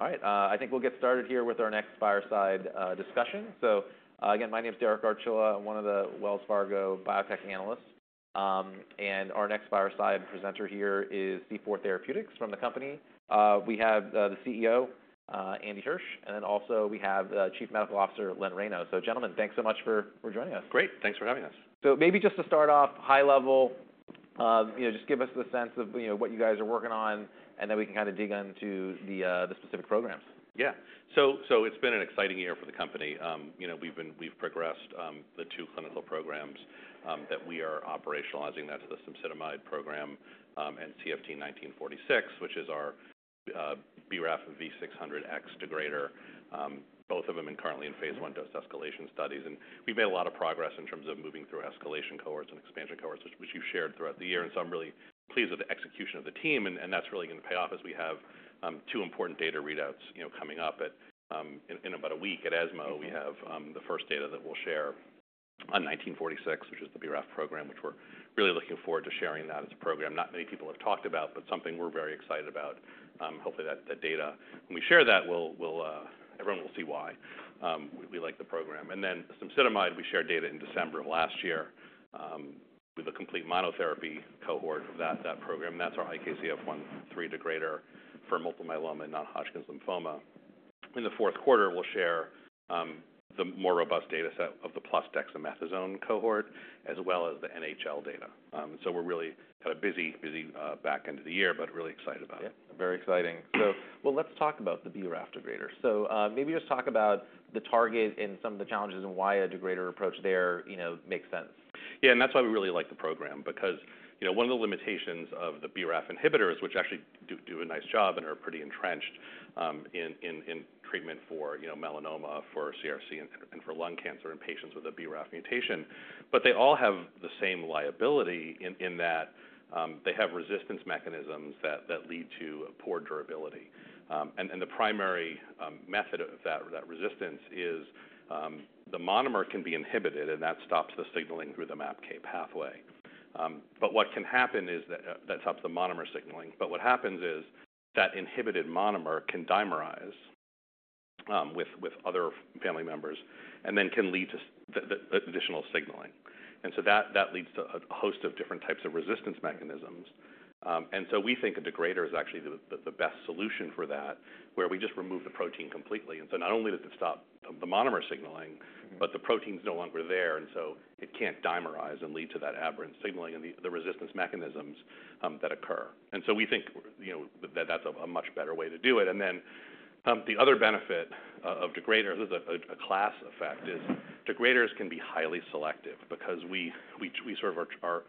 All right, I think we'll get started here with our next fireside discussion. So, again, my name is Derek Archila. I'm one of the Wells Fargo Biotech Analysts. And our next fireside presenter here is C4 Therapeutics. From the company, we have the CEO, Andy Hirsch, and then also we have the Chief Medical Officer, Len Reyno. So, gentlemen, thanks so much for joining us. Great. Thanks for having us. So maybe just to start off high level, you know, just give us the sense of, you know, what you guys are working on, and then we can kind of dig into the specific programs. Yeah. So it's been an exciting year for the company. You know, we've progressed the two clinical programs that we are operationalizing. That's the cemsidomide program, and CFT-1946, which is our BRAF V600X degrader. Both of them are currently in phase 1 dose escalation studies, and we've made a lot of progress in terms of moving through escalation cohorts and expansion cohorts, which you've shared throughout the year. And so I'm really pleased with the execution of the team, and that's really going to pay off as we have two important data readouts, you know, coming up at... In about a week at ESMO, we have the first data that we'll share on 1946, which is the BRAF program, which we're really looking forward to sharing that as a program. Not many people have talked about, but something we're very excited about. Hopefully, that data, when we share that, we'll. Everyone will see why, we like the program. And then cemsidomide, we shared data in December of last year, with a complete monotherapy cohort for that program, and that's our IKZF1/3 degrader for multiple myeloma, non-Hodgkin lymphoma. In the fourth quarter, we'll share the more robust data set of the plus dexamethasone cohort, as well as the NHL data. So we're really kind of busy back end of the year, but really excited about it. Yeah, very exciting. So well, let's talk about the BRAF degrader. So, maybe just talk about the target and some of the challenges and why a degrader approach there, you know, makes sense. Yeah, and that's why we really like the program, because, you know, one of the limitations of the BRAF inhibitors, which actually do a nice job and are pretty entrenched in treatment for, you know, melanoma, for CRC and for lung cancer in patients with a BRAF mutation, but they all have the same liability in that they have resistance mechanisms that lead to poor durability, and the primary method of that resistance is the monomer can be inhibited, and that stops the signaling through the MAPK pathway, but what can happen is that stops the monomer signaling, but what happens is that inhibited monomer can dimerize with other family members and then can lead to the additional signaling. That leads to a host of different types of resistance mechanisms. We think a degrader is actually the best solution for that, where we just remove the protein completely. Not only does it stop the monomer signaling. But the protein's no longer there, and so it can't dimerize and lead to that aberrant signaling and the resistance mechanisms that occur. And so we think, you know, that that's a much better way to do it. And then the other benefit of degrader, this is a class effect, is degraders can be highly selective because we sort of are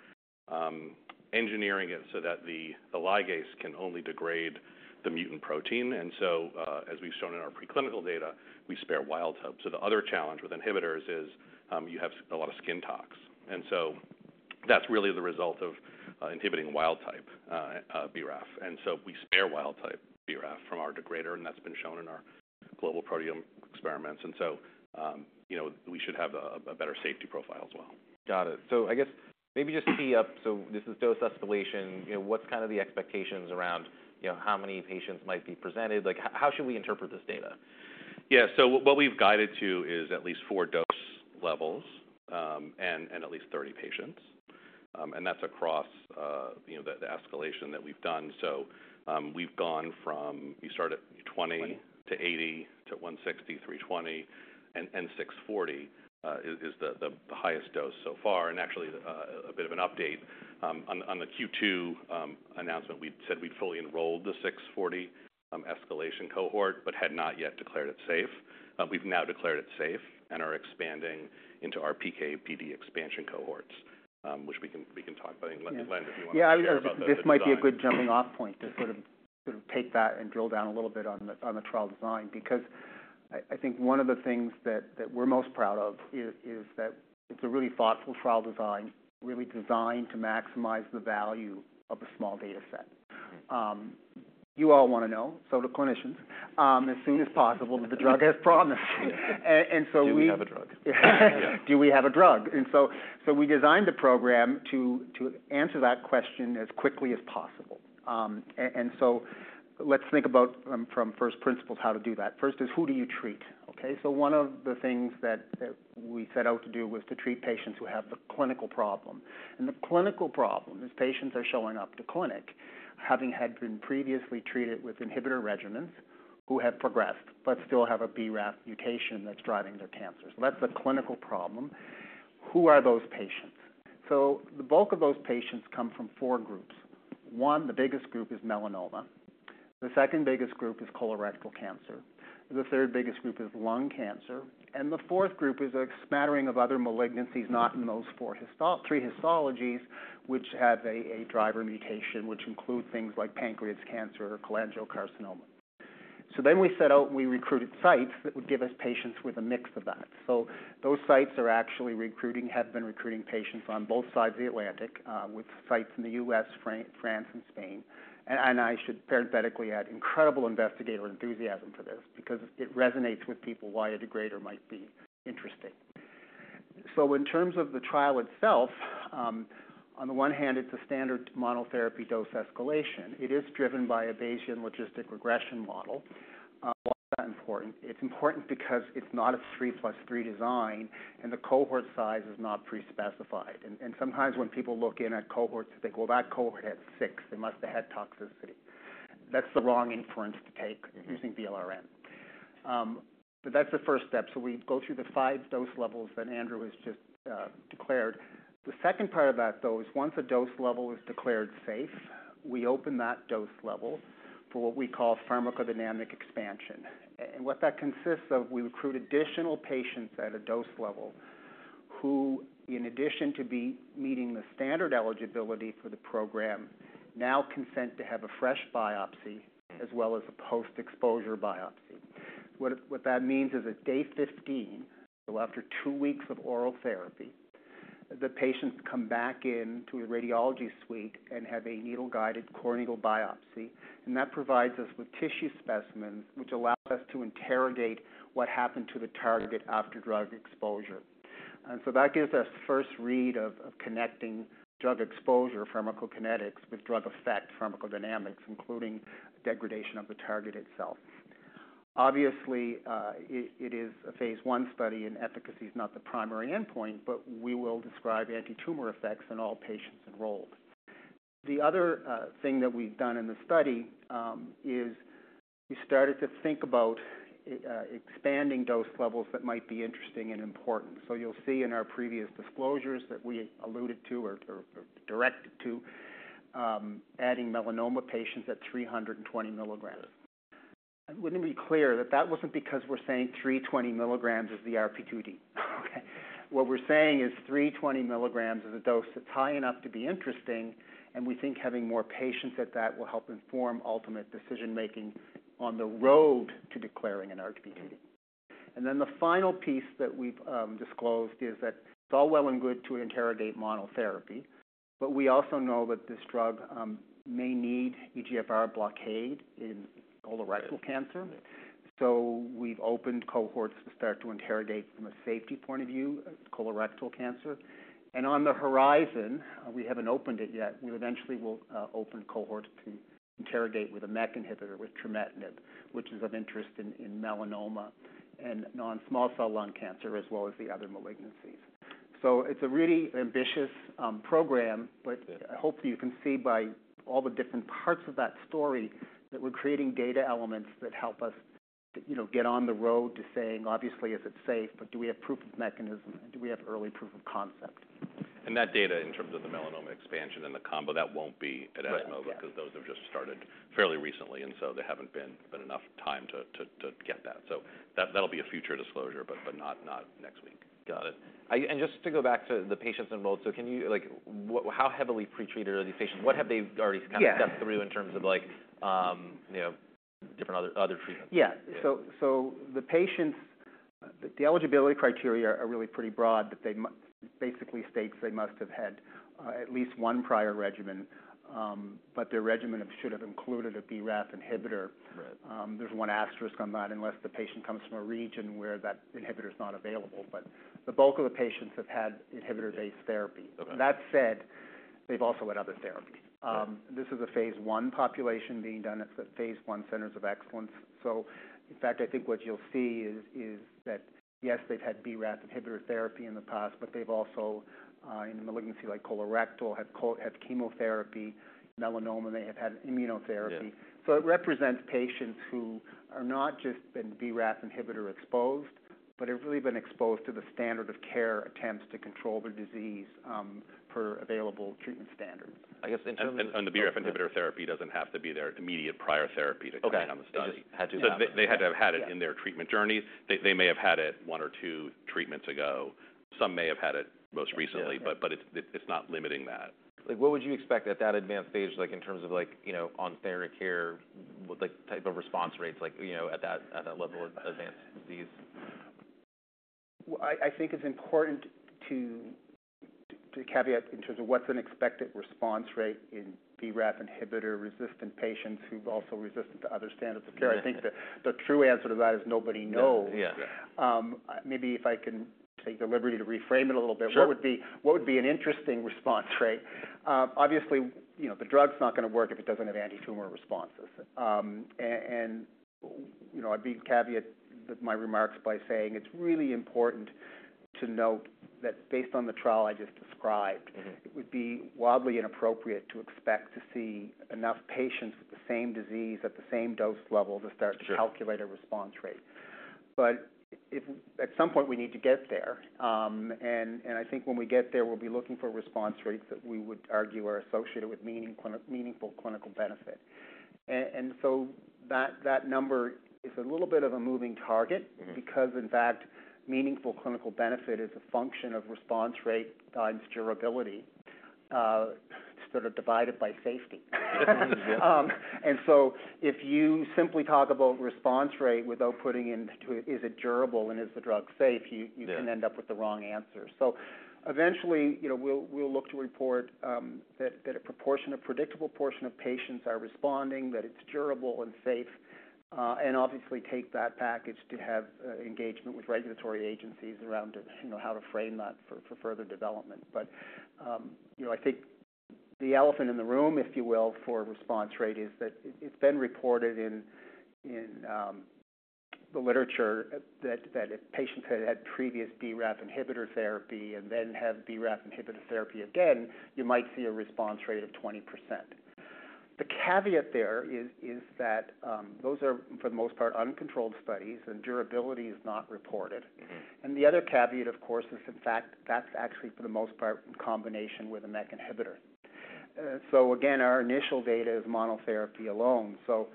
engineering it so that the ligase can only degrade the mutant protein. And so, as we've shown in our preclinical data, we spare wild type. So the other challenge with inhibitors is you have a lot of skin tox, and so that's really the result of inhibiting wild type BRAF. And so we spare wild type BRAF from our degrader, and that's been shown in our global proteome experiments. And so, you know, we should have a better safety profile as well. Got it. So I guess maybe just tee up. So this is dose escalation. You know, what's kind of the expectations around, you know, how many patients might be presented? Like, how should we interpret this data? Yeah. So what we've guided to is at least four dose levels and at least 30 patients. And that's across, you know, the escalation that we've done. So, we've gone from. We start at 20- Twenty... to 80 to 160, 320, and 640 is the highest dose so far. Actually, a bit of an update on the Q2 announcement, we said we'd fully enrolled the 640 escalation cohort, but had not yet declared it safe. We've now declared it safe and are expanding into our PK/PD expansion cohorts, which we can talk about. Len, if you want to share about the design. Yeah, I was going to. This might be a good jumping-off point to sort of take that and drill down a little bit on the trial design. Because I think one of the things that we're most proud of is that it's a really thoughtful trial design, really designed to maximize the value of a small data set. You all want to know, so do clinicians, as soon as possible, that the drug has promise. And so we- Do we have a drug? Do we have a drug? And so we designed the program to answer that question as quickly as possible. And so let's think about from first principles how to do that. First is, who do you treat? Okay, so one of the things that we set out to do was to treat patients who have the clinical problem. And the clinical problem is patients are showing up to clinic, having had been previously treated with inhibitor regimens, who have progressed but still have a BRAF mutation that's driving their cancers. So that's the clinical problem. Who are those patients? So the bulk of those patients come from four groups. One, the biggest group, is melanoma. The second biggest group is colorectal cancer, the third biggest group is lung cancer, and the fourth group is a smattering of other malignancies, not in those three histologies, which have a driver mutation, which include things like pancreatic cancer or cholangiocarcinoma. So then we set out, we recruited sites that would give us patients with a mix of that. So those sites are actually recruiting, have been recruiting patients on both sides of the Atlantic, with sites in the U.S., France and Spain. And I should parenthetically add, incredible investigator enthusiasm for this because it resonates with people why a degrader might be interesting. So in terms of the trial itself, on the one hand, it's a standard monotherapy dose escalation. It is driven by a Bayesian logistic regression model. Why is that important? It's important because it's not a three plus three design and the cohort size is not pre-specified. And sometimes when people look in at cohorts, they think, "Well, that cohort had six, they must have had toxicity." That's the wrong inference to take using BLRM, but that's the first step, so we go through the five dose levels that Andrew has just declared. The second part of that, though, is once a dose level is declared safe, we open that dose level for what we call pharmacodynamic expansion, and what that consists of, we recruit additional patients at a dose level, who, in addition to be meeting the standard eligibility for the program, now consent to have a fresh biopsy as well as a post-exposure biopsy. What that means is at day fifteen, so after two weeks of oral therapy, the patients come back in to a radiology suite and have a needle-guided core needle biopsy, and that provides us with tissue specimens, which allows us to interrogate what happened to the target after drug exposure. And so that gives us first read of connecting drug exposure pharmacokinetics with drug effect pharmacodynamics, including degradation of the target itself. Obviously, it is a phase I study, and efficacy is not the primary endpoint, but we will describe anti-tumor effects in all patients enrolled. The other thing that we've done in the study is we started to think about expanding dose levels that might be interesting and important. So you'll see in our previous disclosures that we alluded to or directed to adding melanoma patients at three hundred and twenty milligrams. And let me be clear that that wasn't because we're saying 320 mg is the RP2D. Okay. What we're saying is, 320 mg is a dose that's high enough to be interesting, and we think having more patients at that will help inform ultimate decision-making on the road to declaring an RP2D. And then the final piece that we've disclosed is that it's all well and good to interrogate monotherapy, but we also know that this drug may need EGFR blockade in colorectal cancer. Right. So we've opened cohorts to start to interrogate from a safety point of view, colorectal cancer. And on the horizon, we haven't opened it yet, we eventually will open cohorts to interrogate with a MEK inhibitor, with trametinib, which is of interest in melanoma and non-small cell lung cancer, as well as the other malignancies. So it's a really ambitious program, but- Yeah... I hope you can see by all the different parts of that story, that we're creating data elements that help us, you know, get on the road to saying, obviously, is it safe, but do we have proof of mechanism? And do we have early proof of concept? And that data, in terms of the melanoma expansion and the combo, that won't be at ESMO. Right, yeah. Because those have just started fairly recently, and so there haven't been enough time to get that. So that, that'll be a future disclosure, but not next week. Got it. And just to go back to the patients enrolled. So can you like how heavily pre-treated are these patients? What have they already- Yeah. Kind of stepped through in terms of like, you know, different other treatments? Yeah. Yeah. The patients, the eligibility criteria are really pretty broad, but they basically states they must have had at least one prior regimen, but their regimen it should have included a BRAF inhibitor. Right. There's one asterisk on that, unless the patient comes from a region where that inhibitor is not available. But the bulk of the patients have had inhibitor-based therapy. Okay. That said, they've also had other therapy. Yeah. This is a phase I population being done. It's a phase I centers of excellence. So in fact, I think what you'll see is that, yes, they've had BRAF inhibitor therapy in the past, but they've also, in malignancy, like colorectal, have chemotherapy. In melanoma, they have had immunotherapy. Yeah. It represents patients who are not just been BRAF inhibitor exposed, but have really been exposed to the standard of care attempts to control the disease, per available treatment standards. I guess in terms of- The BRAF inhibitor therapy doesn't have to be their immediate prior therapy to come on the study. Okay. It just had to happen. They had to have had it- Yeah... in their treatment journey. They may have had it one or two treatments ago. Some may have had it most recently. Yeah... but it's not limiting that. Like, what would you expect at that advanced stage, like, in terms of like, you know, on therapy care, with like, type of response rates, like, you know, at that level of advanced disease? I think it's important to caveat in terms of what's an expected response rate in BRAF inhibitor-resistant patients who've also resistant to other standards of care. Yeah. I think the true answer to that is nobody knows. Yeah. Yeah. Maybe if I can take the liberty to reframe it a little bit. Sure. What would be an interesting response rate? Obviously, you know, the drug's not gonna work if it doesn't have anti-tumor responses. You know, I'd caveat my remarks by saying it's really important to note that based on the trial I just described. It would be wildly inappropriate to expect to see enough patients with the same disease at the same dose level to start- Sure... to calculate a response rate. But if at some point we need to get there, and I think when we get there, we'll be looking for response rates that we would argue are associated with meaningful clinical benefit. And so that number is a little bit of a moving target because, in fact, meaningful clinical benefit is a function of response rate times durability, sort of divided by safety. Yeah. And so if you simply talk about response rate without putting into, is it durable and is the drug safe? Yeah You can end up with the wrong answer. Eventually, you know, we'll look to report that a predictable portion of patients are responding, that it's durable and safe, and obviously take that package to have engagement with regulatory agencies around it, you know, how to frame that for further development. But you know, I think the elephant in the room, if you will, for response rate, is that it's been reported in the literature that if patients had had previous BRAF inhibitor therapy and then have BRAF inhibitor therapy again, you might see a response rate of 20%. The caveat there is that those are, for the most part, uncontrolled studies, and durability is not reported. The other caveat, of course, is the fact that's actually, for the most part, in combination with a MEK inhibitor. So again, our initial data is monotherapy alone. So,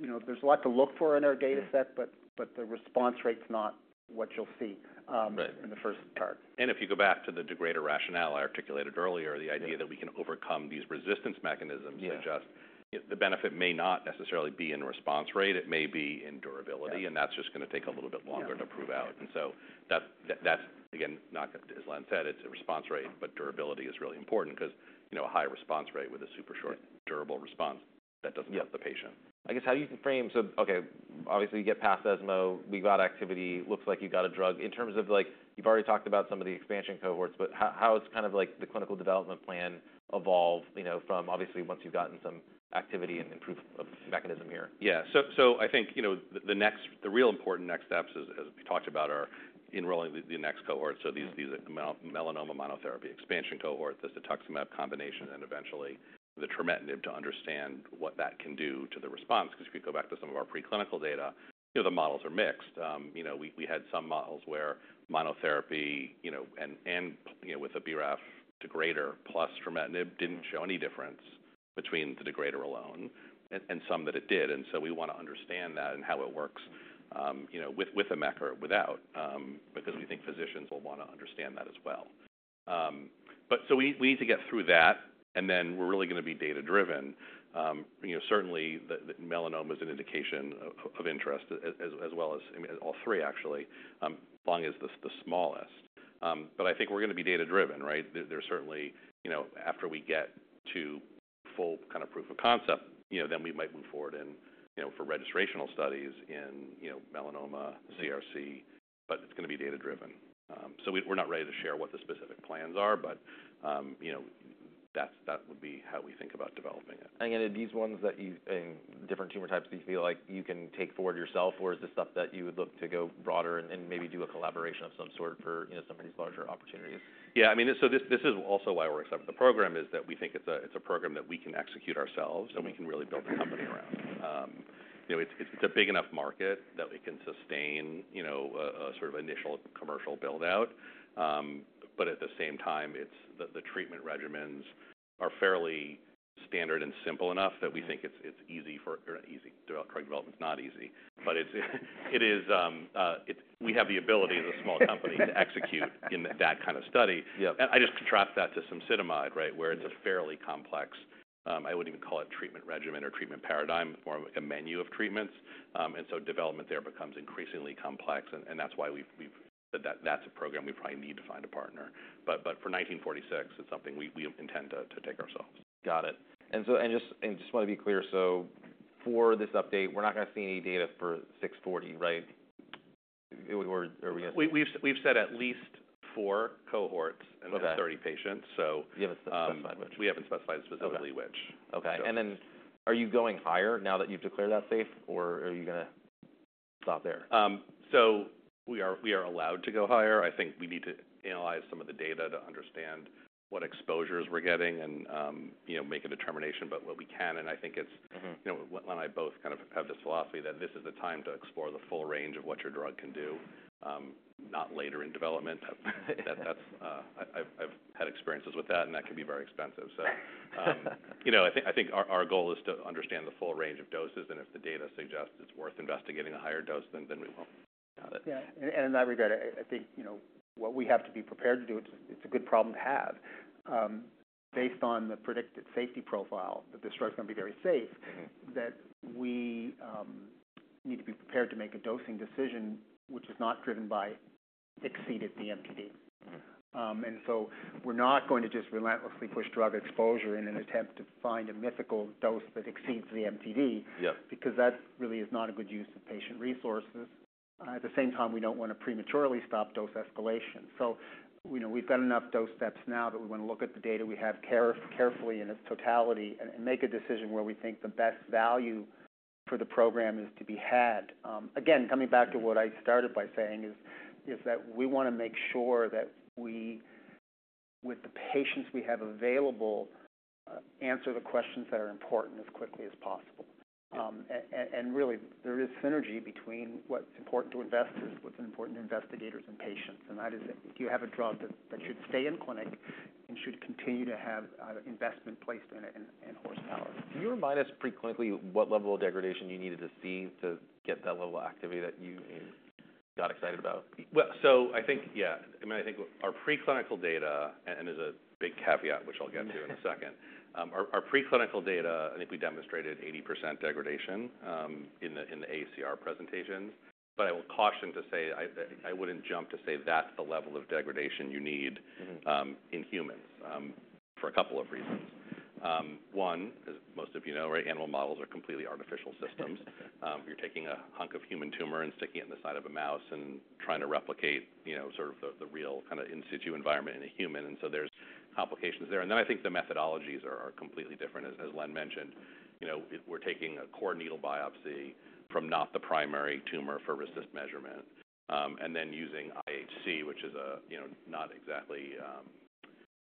you know, there's a lot to look for in our data set. But the response rate's not what you'll see. Right in the first part. And if you go back to the degrader rationale I articulated earlier, the idea- Yeah... that we can overcome these resistance mechanisms- Yeah The benefit may not necessarily be in response rate. It may be in durability. Yeah. That's just gonna take a little bit longer. Yeah to prove out. And so that, that's, again, not... As Len said, it's a response rate, but durability is really important because, you know, a high response rate with a super short- Yeah Durable response, that doesn't help the patient. Yeah. I guess, how do you frame... So okay, obviously, you get past ESMO. We've got activity. Looks like you got a drug. In terms of like, you've already talked about some of the expansion cohorts, but how is kind of like the clinical development plan evolve, you know, from obviously, once you've gotten some activity and proof of mechanism here? Yeah. So I think, you know, the real important next steps as we talked about are enrolling the next cohort. So these melanoma monotherapy expansion cohort, the cetuximab combination, and eventually, the trametinib to understand what that can do to the response. 'Cause if you go back to some of our preclinical data, you know, the models are mixed. You know, we had some models where monotherapy, you know, and with a BRAF degrader plus trametinib didn't show any difference between the degrader alone, and some that it did, and so we want to understand that and how it works, you know, with a MEK or without, because we think physicians will want to understand that as well, so we need to get through that, and then we're really gonna be data-driven. You know, certainly the melanoma is an indication of interest as well as... I mean, all three, actually. Lung is the smallest. But I think we're gonna be data-driven, right? There are certainly, you know, after we get to full kind of proof of concept, you know, then we might move forward and, you know, for registrational studies in, you know, melanoma, CRC, but it's gonna be data-driven. So we're not ready to share what the specific plans are, but, you know, that would be how we think about developing it. Again, are these ones that you... In different tumor types, do you feel like you can take forward yourself, or is this stuff that you would look to go broader and maybe do a collaboration of some sort for, you know, some of these larger opportunities? Yeah, I mean, so this is also why we're accepting the program, is that we think it's a program that we can execute ourselves and we can really build the company around. You know, it's a big enough market that we can sustain, you know, a sort of initial commercial build-out. But at the same time, it's the treatment regimens are fairly standard and simple enough that we think it's easy. Drug development is not easy, but it is. We have the ability as a small company to execute in that kind of study. Yeah. I just contrast that to cemsidomide, right? Where it's a fairly complex, I would even call it treatment regimen or treatment paradigm, or a menu of treatments. And so development there becomes increasingly complex, and that's why we've... That's a program we probably need to find a partner. But for 1946, it's something we intend to take ourselves. Got it. And so, just want to be clear: So for this update, we're not gonna see any data for six forty, right? Or are we gonna- We've said at least four cohorts- Okay... and thirty patients, so. You haven't specified which. We haven't specified specifically which. Okay. So. And then, are you going higher now that you've declared that safe, or are you gonna stop there? So we are allowed to go higher. I think we need to analyze some of the data to understand what exposures we're getting and, you know, make a determination about what we can. And I think it's... you know, Len and I both kind of have the philosophy that this is the time to explore the full range of what your drug can do, not later in development. That, that's... I've had experiences with that, and that can be very expensive. So, you know, I think our goal is to understand the full range of doses, and if the data suggests it's worth investigating a higher dose, then we will. Got it. Yeah, and in that regard, I think, you know, what we have to be prepared to do, it's a good problem to have. Based on the predicted safety profile, that this drug is gonna be very safe that we need to be prepared to make a dosing decision, which is not driven by exceeded the MTD. And so we're not going to just relentlessly push drug exposure in an attempt to find a mythical dose that exceeds the MTD. Yeah Because that really is not a good use of patient resources. At the same time, we don't want to prematurely stop dose escalation. So, you know, we've got enough dose steps now that we want to look at the data we have carefully in its totality and make a decision where we think the best value for the program is to be had. Again, coming back to what I started by saying, is that we want to make sure that we, with the patients we have available, answer the questions that are important as quickly as possible. Really, there is synergy between what's important to investors, what's important to investigators and patients, and that is, do you have a drug that should stay in clinic and should continue to have investment placed in it and horsepower? Can you remind us preclinically, what level of degradation you needed to see to get that level of activity that you got excited about? I think, yeah. I mean, I think our preclinical data, and there's a big caveat, which I'll get to in a second. Our preclinical data, I think we demonstrated 80% degradation in the AACR presentation. But I will caution to say, I wouldn't jump to say that's the level of degradation you need in humans, for a couple of reasons. One, as most of you know, right, animal models are completely artificial systems. You're taking a hunk of human tumor and sticking it in the side of a mouse and trying to replicate, you know, sort of the real kind of in situ environment in a human, and so there's complications there. And then I think the methodologies are completely different. As Len mentioned, you know, if we're taking a core needle biopsy from not the primary tumor for resistance measurement, and then using IHC, which is a, you know, not exactly...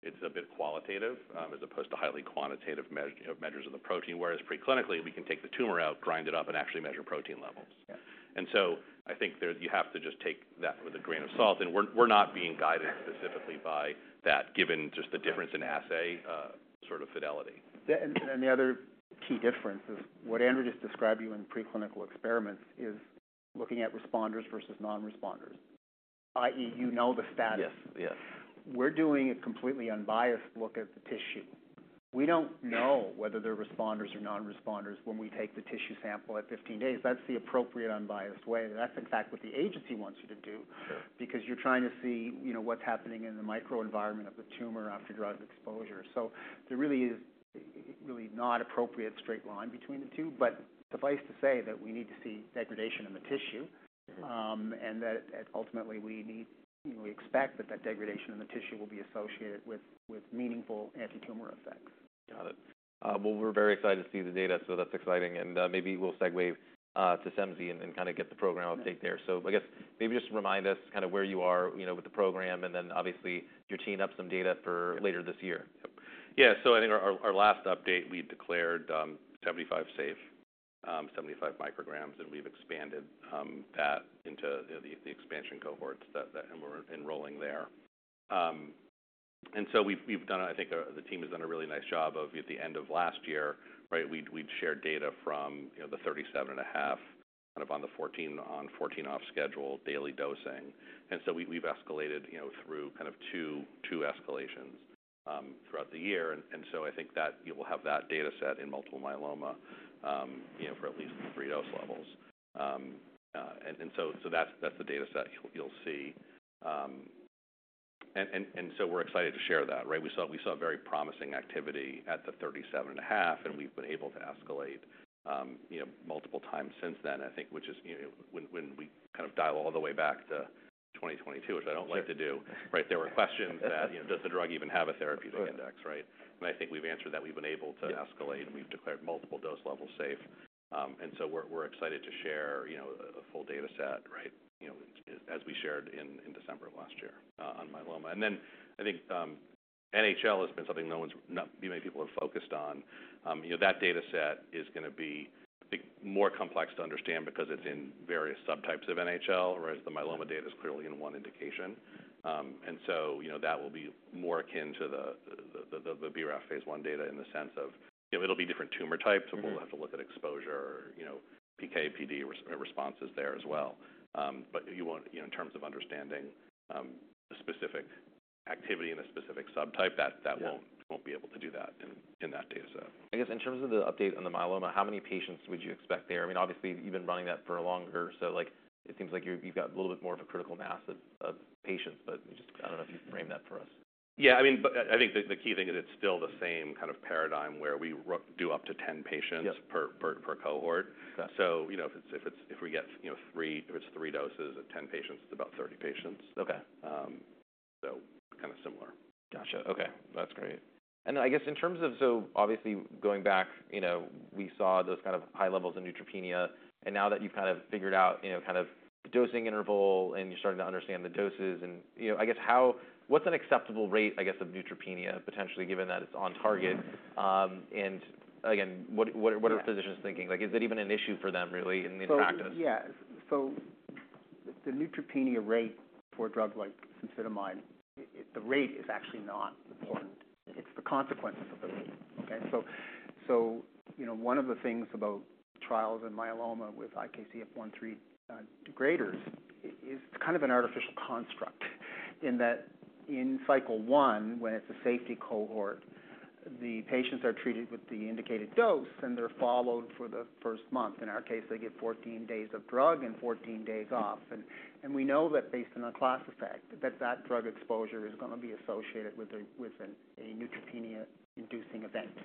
It's a bit qualitative, as opposed to highly quantitative measure, measures of the protein, whereas preclinically, we can take the tumor out, grind it up, and actually measure protein levels. Yeah. I think there, you have to just take that with a grain of salt, and we're not being guided specifically by that, given just the difference in assay sort of fidelity. Yeah, and the other key difference is what Andrew just described to you in preclinical experiments is looking at responders versus non-responders, i.e., you know, the status. Yes. Yes. We're doing a completely unbiased look at the tissue. We don't know whether they're responders or non-responders when we take the tissue sample at fifteen days. That's the appropriate, unbiased way, and that's in fact what the agency wants you to do. Sure... because you're trying to see, you know, what's happening in the microenvironment of the tumor after drug exposure. So there really is no appropriate straight line between the two, but suffice to say that we need to see degradation in the tissue, and that ultimately we need, we expect that degradation in the tissue will be associated with meaningful antitumor effects. Got it. Well, we're very excited to see the data, so that's exciting, and maybe we'll segue to cemsidomide and kind of get the program update there. I guess maybe just remind us kind of where you are, you know, with the program, and then obviously you're teeing up some data for later this year. Yeah. So I think our last update, we declared 75 safe, 75 micrograms, and we've expanded that into the expansion cohorts and we're enrolling there. We've done a really nice job of at the end of last year, right. We'd shared data from, you know, the 37.5, kind of on the 14-on 14-off schedule, daily dosing. We've escalated, you know, through kind of two escalations throughout the year. I think that you will have that data set in multiple myeloma, you know, for at least three dose levels. That's the data set you'll see. We're excited to share that, right? We saw very promising activity at the 37.5, and we've been able to escalate, you know, multiple times since then. I think, which is, you know, when we kind of dial all the way back to 2022, which I don't like to do, right? There were questions that, you know, does the drug even have a therapeutic index, right? Right. I think we've answered that. We've been able to- Yeah... escalate, and we've declared multiple dose levels safe, and so we're excited to share, you know, a full data set, right, you know, as we shared in December of last year, on myeloma, and then I think NHL has been something no one's, not many people have focused on. You know, that data set is gonna be big, more complex to understand because it's in various subtypes of NHL, whereas the myeloma data is clearly in one indication, and so, you know, that will be more akin to the BRAF phase I data in the sense of it'll be different tumor types. We'll have to look at exposure, you know, PK/PD responses there as well. But you won't, you know, in terms of understanding, the specific activity in a specific subtype, that- Yeah... that won't be able to do that in that data set. I guess, in terms of the update on the myeloma, how many patients would you expect there? I mean, obviously, you've been running that for longer, so like, it seems like you, you've got a little bit more of a critical mass of patients, but just I don't know if you can frame that for us. Yeah, I mean, but I think the key thing is it's still the same kind of paradigm where we do up to 10 patients- Yep... per cohort. Got it. You know, if we get, you know, three doses at 10 patients, it's about 30 patients. Okay. So kind of similar. Gotcha. Okay, that's great. And I guess in terms of... So obviously, going back, you know, we saw those kind of high levels of neutropenia, and now that you've kind of figured out, you know, kind of the dosing interval, and you're starting to understand the doses and, you know, I guess how, what's an acceptable rate, I guess, of neutropenia, potentially, given that it's on target? And again, what- Yeah... are physicians thinking? Like, is it even an issue for them really in practice? So, yeah. The neutropenia rate for a drug like cemsidomide, the rate is actually not important. It's the consequences of the rate. Okay, so you know, one of the things about trials in myeloma with IKZF1/3 degraders, it's kind of an artificial construct in that in cycle one, when it's a safety cohort, the patients are treated with the indicated dose, and they're followed for the first month. In our case, they get fourteen days of drug and fourteen days off. And we know that based on the class effect, that drug exposure is gonna be associated with a neutropenia-inducing event.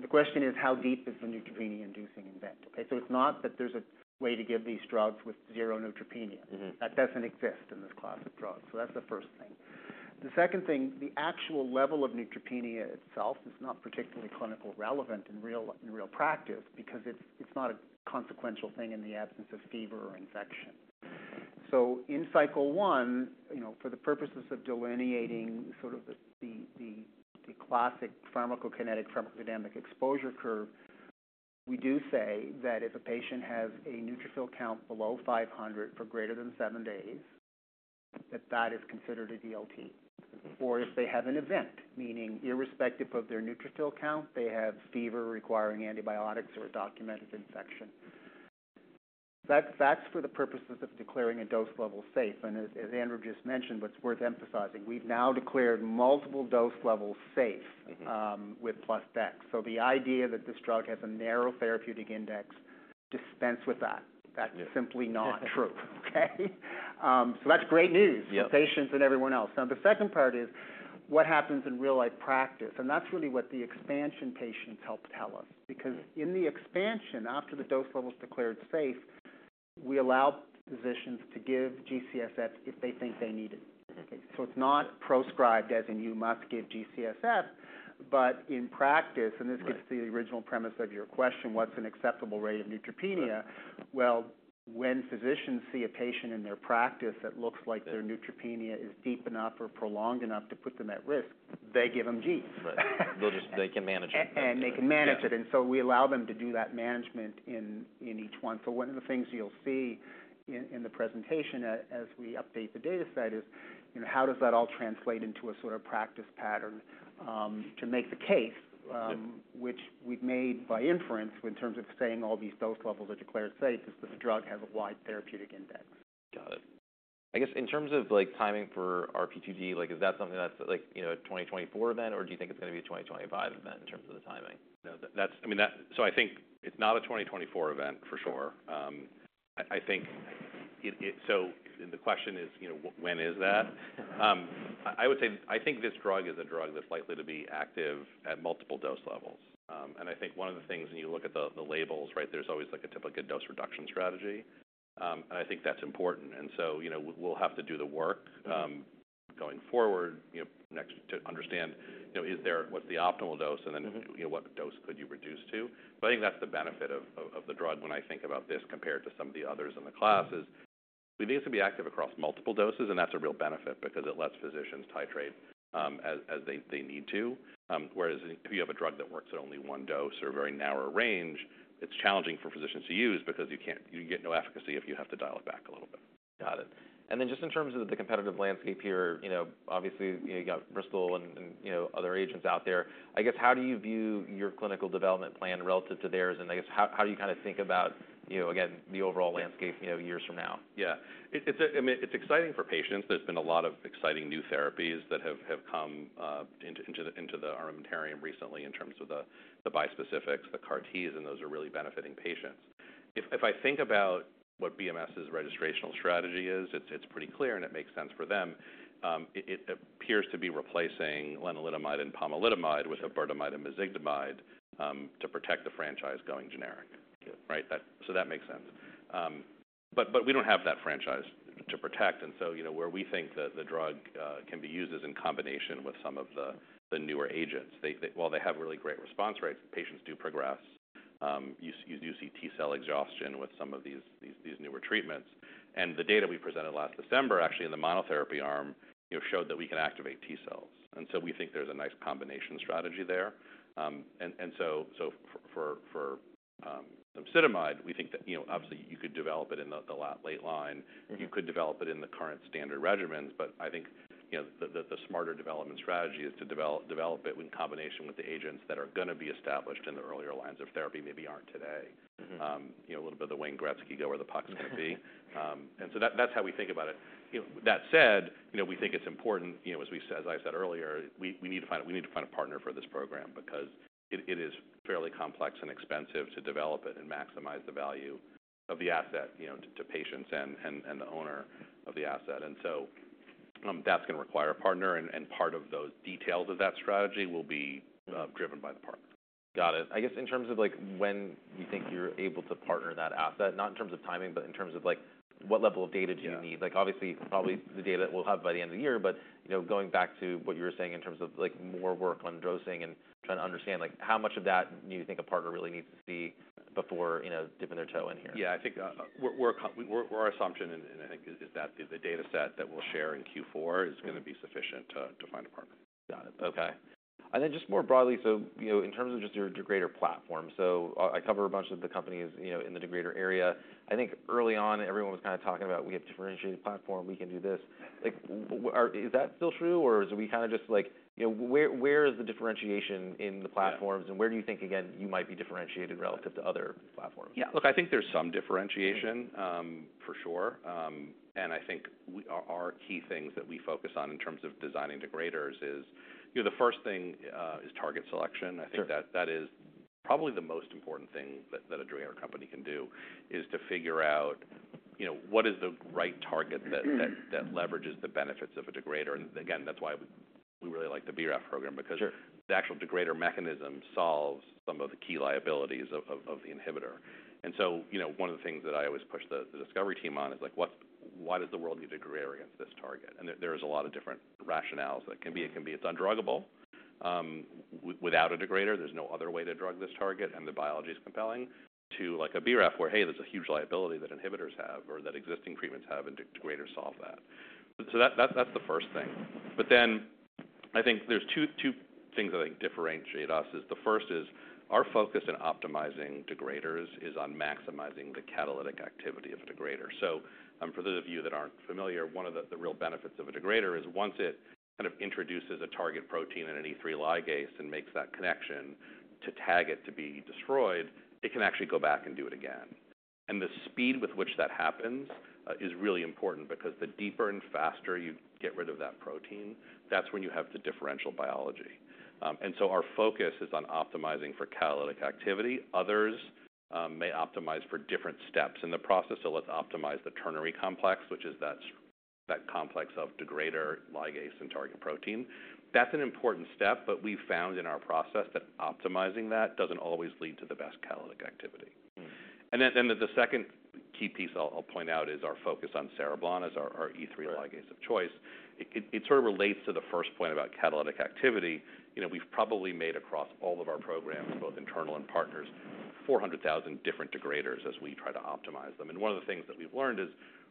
The question is: How deep is the neutropenia-inducing event? Okay, so it's not that there's a way to give these drugs with zero neutropenia. That doesn't exist in this class of drugs. So that's the first thing. The second thing, the actual level of neutropenia itself is not particularly clinically relevant in real practice, because it's not a consequential thing in the absence of fever or infection. So in cycle one, you know, for the purposes of delineating sort of the classic pharmacokinetic/pharmacodynamic exposure curve, we do say that if a patient has a neutrophil count below five hundred for greater than seven days, that is considered a DLT. Or if they have an event, meaning irrespective of their neutrophil count, they have fever requiring antibiotics or a documented infection. That's for the purposes of declaring a dose level safe. And as Andrew just mentioned, what's worth emphasizing, we've now declared multiple dose levels safe with plus dex. So the idea that this drug has a narrow therapeutic index dispense with that. That's simply not true, okay, so that's great news- Yeah. for patients and everyone else. Now, the second part is what happens in real-life practice, and that's really what the expansion patients helped tell us. Mm-hmm. Because in the expansion, after the dose level is declared safe, we allow physicians to give G-CSF if they think they need it. Mm-hmm. So it's not prescribed as in, "You must give G-CSF," but in practice- Right -and this gets to the original premise of your question, what's an acceptable rate of neutropenia? Right. When physicians see a patient in their practice that looks like- Yeah their neutropenia is deep enough or prolonged enough to put them at risk, they give them Gs. Right. They can manage it. They can manage it. Yeah. And so we allow them to do that management in each one. So one of the things you'll see in the presentation as we update the data set is, you know, how does that all translate into a sort of practice pattern to make the case- Yep... which we've made by inference, in terms of saying all these dose levels are declared safe, is that the drug has a wide therapeutic index. Got it. I guess, in terms of, like, timing for our PTD, like, is that something that's like, you know, a 2024 event, or do you think it's going to be a 2025 event in terms of the timing? You know, that's. I mean, that. So I think it's not a 2024 event, for sure. I think it. So the question is, you know, when is that? I would say, I think this drug is a drug that's likely to be active at multiple dose levels. And I think one of the things, when you look at the labels, right there's always, like, a typical dose reduction strategy. And I think that's important, and so, you know, we'll have to do the work. Mm-hmm ... going forward, you know, next to understand, you know, what's the optimal dose? Mm-hmm. And then, you know, what dose could you reduce to? But I think that's the benefit of the drug when I think about this compared to some of the others in the class, is we need to be active across multiple doses, and that's a real benefit because it lets physicians titrate as they need to. Whereas if you have a drug that works at only one dose or a very narrow range, it's challenging for physicians to use because you can't. You get no efficacy if you have to dial it back a little bit. Got it. And then, just in terms of the competitive landscape here, you know, obviously, you know, you got Bristol and, you know, other agents out there. I guess, how do you view your clinical development plan relative to theirs? And I guess, how do you kind of think about, you know, again, the overall landscape, you know, years from now? Yeah. It's, I mean, it's exciting for patients. There's been a lot of exciting new therapies that have come into the armamentarium recently in terms of the bispecifics, the CAR-Ts, and those are really benefiting patients. If I think about what BMS's registrational strategy is, it's pretty clear, and it makes sense for them. It appears to be replacing lenalidomide and pomalidomide with iberdomide and mezigdomide to protect the franchise going generic. Yeah. Right? That makes sense. But we don't have that franchise to protect, and so, you know, where we think the drug can be used is in combination with some of the newer agents. While they have really great response rates, patients do progress. You do see T-cell exhaustion with some of these newer treatments. And the data we presented last December, actually, in the monotherapy arm, you know, showed that we can activate T-cells, and so we think there's a nice combination strategy there. So for cemsidomide, we think that, you know, obviously you could develop it in the late line. Mm-hmm. You could develop it in the current standard regimens, but I think, you know, the smarter development strategy is to develop it in combination with the agents that are going to be established in the earlier lines of therapy, maybe aren't today. Mm-hmm. You know, a little bit of the Wayne Gretzky, "Go where the puck is going to be." And so that's how we think about it. You know, that said, you know, we think it's important, you know, as we said... as I said earlier, we need to find a partner for this program because it is fairly complex and expensive to develop it and maximize the value of the asset, you know, to patients and the owner of the asset. And so that's going to require a partner, and part of those details of that strategy will be driven by the partner. Got it. I guess, in terms of, like, when you think you're able to partner that asset, not in terms of timing, but in terms of, like, what level of data do you need? Yeah. Like, obviously, probably the data that we'll have by the end of the year, but, you know, going back to what you were saying in terms of, like, more work on dosing and trying to understand, like, how much of that do you think a partner really needs to see before, you know, dipping their toe in here? Yeah, I think our assumption, and I think, is that the data set that we'll share in Q4- Mm-hmm... is going to be sufficient to find a partner. Got it. Okay. And then just more broadly, so, you know, in terms of just your degrader platform, so, I cover a bunch of the companies, you know, in the degrader area. I think early on, everyone was kind of talking about, "We have a differentiated platform. We can do this." Like, is that still true, or are we kind of just like... You know, where is the differentiation in the platforms? Yeah... and where do you think, again, you might be differentiated relative to other platforms? Yeah. Look, I think there's some differentiation- Mm-hmm... for sure. And I think our key things that we focus on in terms of designing degraders is, you know, the first thing is target selection. Sure. I think that is probably the most important thing that a degrader company can do, is to figure out, you know, what is the right target- Mm-hmm... that leverages the benefits of a degrader. And again, that's why we really like the BRAF program, because- Sure... the actual degrader mechanism solves some of the key liabilities of the inhibitor. And so, you know, one of the things that I always push the discovery team on is, like, why does the world need a degrader against this target? And there is a lot of different rationales that can be. It can be it's undruggable. Without a degrader, there's no other way to drug this target, and the biology is compelling. To, like, a BRAF, where, hey, there's a huge liability that inhibitors have or that existing treatments have, and degraders solve that. So that, that's the first thing. But then I think there's two things that I think differentiate us is, the first is our focus in optimizing degraders is on maximizing the catalytic activity of a degrader. For those of you that aren't familiar, one of the real benefits of a degrader is once it kind of introduces a target protein and an E3 ligase and makes that connection to tag it to be destroyed, it can actually go back and do it again. The speed with which that happens is really important because the deeper and faster you get rid of that protein, that's when you have the differential biology. Our focus is on optimizing for catalytic activity. Others may optimize for different steps in the process. Let's optimize the ternary complex, which is that complex of degrader, ligase, and target protein. That's an important step, but we've found in our process that optimizing that doesn't always lead to the best catalytic activity. Mm. And then the second key piece I'll point out is our focus on cereblon as our E3- Right ligase of choice. It sort of relates to the first point about catalytic activity. You know, we've probably made across all of our programs, both internal and partners, four hundred thousand different degraders as we try to optimize them. And one of the things that we've learned is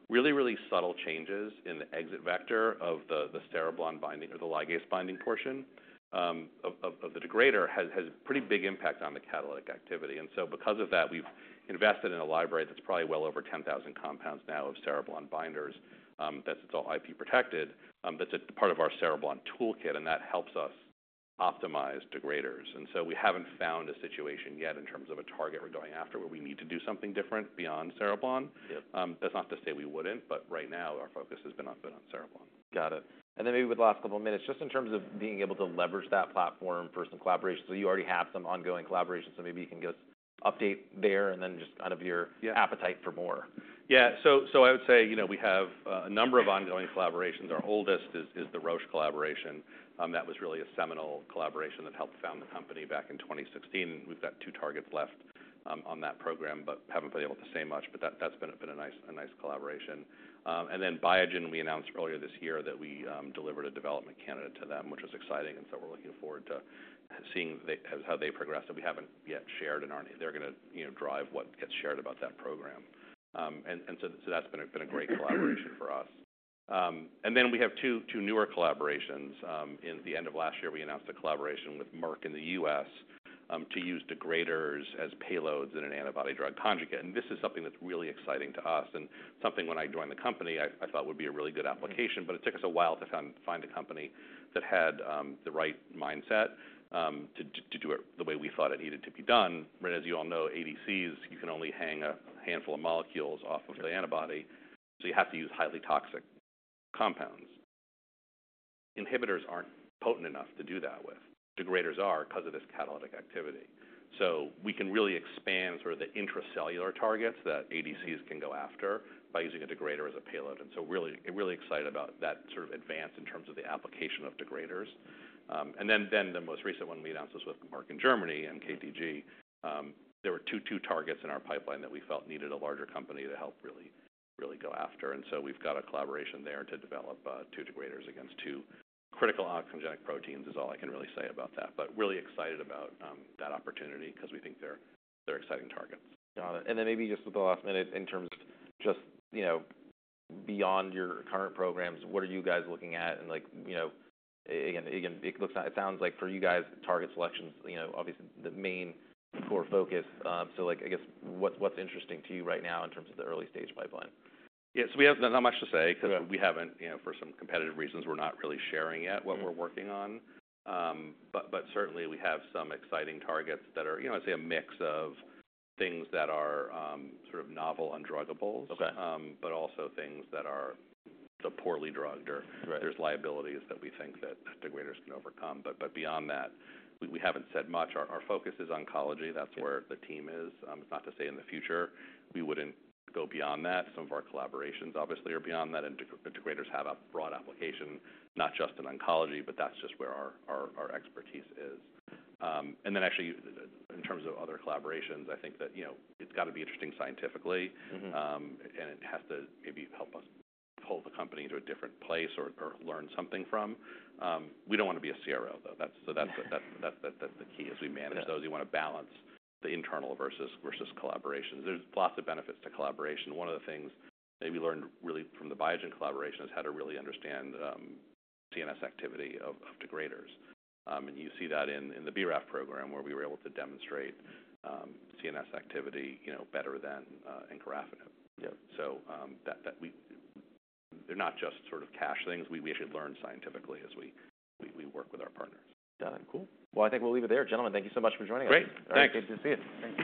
really, really subtle changes in the exit vector of the cereblon binding or the ligase binding portion of the degrader has pretty big impact on the catalytic activity. And so because of that, we've invested in a library that's probably well over ten thousand compounds now of cereblon binders. That's all IP protected, that's a part of our cereblon toolkit, and that helps us optimize degraders. And so we haven't found a situation yet in terms of a target we're going after, where we need to do something different beyond cereblon. Yeah. That's not to say we wouldn't, but right now our focus has been on cereblon. Got it. And then maybe with the last couple of minutes, just in terms of being able to leverage that platform for some collaborations, so you already have some ongoing collaborations, so maybe you can give us update there and then just kind of your- Yeah Appetite for more. Yeah. So I would say, you know, we have a number of ongoing collaborations. Our oldest is the Roche collaboration. That was really a seminal collaboration that helped found the company back in twenty sixteen, and we've got two targets left on that program, but haven't been able to say much. But that's been a nice collaboration. And then Biogen, we announced earlier this year that we delivered a development candidate to them, which was exciting, and so we're looking forward to seeing how they progress, that we haven't yet shared, and aren't. They're gonna, you know, drive what gets shared about that program. And so that's been a great collaboration for us. And then we have two newer collaborations. In the end of last year, we announced a collaboration with Merck in the U.S. to use degraders as payloads in an antibody-drug conjugate, and this is something that's really exciting to us, and something when I joined the company, I thought would be a really good application, but it took us a while to find a company that had the right mindset to do it the way we thought it needed to be done. Whereas you all know ADCs, you can only hang a handful of molecules off of- Yeah the antibody, so you have to use highly toxic compounds. Inhibitors aren't potent enough to do that with. Degraders are because of this catalytic activity. So we can really expand sort of the intracellular targets that ADCs can go after by using a degrader as a payload. And so really excited about that sort of advance in terms of the application of degraders. And then the most recent one we announced was with Merck in Germany in KGaA. There were two targets in our pipeline that we felt needed a larger company to help really go after. And so we've got a collaboration there to develop two degraders against two critical oncogenic proteins, is all I can really say about that. But really excited about that opportunity because we think they're exciting targets. Got it. And then maybe just with the last minute, in terms of just, you know, beyond your current programs, what are you guys looking at? And like, you know, again, it looks like it sounds like for you guys, target selection is, you know, obviously the main core focus. So like, I guess, what's interesting to you right now in terms of the early-stage pipeline? Yeah, so we have not much to say- Yeah... because we haven't, you know, for some competitive reasons, we're not really sharing yet- Mm - what we're working on, but certainly we have some exciting targets that are, you know, I'd say a mix of things that are sort of novel undruggables. Okay. but also things that are poorly drugged or- Right... there's liabilities that we think that degraders can overcome. But beyond that, we haven't said much. Our focus is oncology. Yeah. That's where the team is. It's not to say in the future we wouldn't go beyond that. Some of our collaborations obviously are beyond that, and degraders have a broad application, not just in oncology, but that's just where our expertise is. And then actually, in terms of other collaborations, I think that, you know, it's got to be interesting scientifically. Mm-hmm. And it has to maybe help us pull the company to a different place or learn something from. We don't want to be a CRO, though. That's. So that's the key as we manage- Yeah... those. You want to balance the internal versus collaborations. There's lots of benefits to collaboration. One of the things that we learned really from the Biogen collaboration is how to really understand CNS activity of degraders, and you see that in the BRAF program, where we were able to demonstrate CNS activity, you know, better than encorafenib. Yeah. They're not just sort of cash things. We should learn scientifically as we work with our partners. Got it. Cool. Well, I think we'll leave it there. Gentlemen, thank you so much for joining us. Great. Thanks. Good to see you. Thank you.